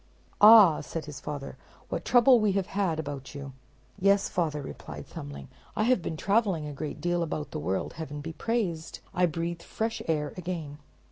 "Ah," said his father, "what trouble we have had about you." "Yes, father," replied Thumbling, "I have been traveling a great deal about the world. Heaven be praised! I breathe fresh air again."